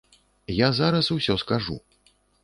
Я зараз усё скажу.